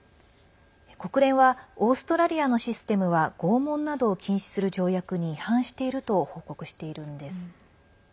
国連はオーストラリアのシステムは拷問などを禁止する条約に違反していると報告しているんです。